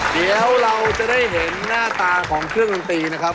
เดี๋ยวเราจะได้เห็นหน้าตาของเครื่องดนตรีนะครับ